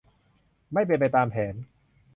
ไม่เป็นไปตามแผน